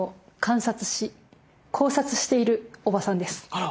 あら！